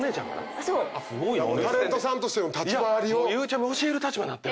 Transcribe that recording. ゆうちゃみ教える立場になってんのか。